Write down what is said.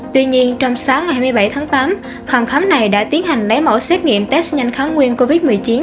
tuy nhiên trong sáng ngày hai mươi bảy tháng tám phòng khám này đã tiến hành lấy mẫu xét nghiệm test nhanh kháng nguyên covid một mươi chín